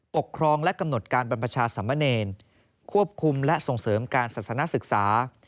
ครองและกำหนดการบรรพชาสามเณรควบคุมและส่งเสริมการศาสนาศึกษา